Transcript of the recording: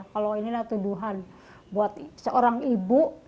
kalau inilah tuduhan buat seorang ibu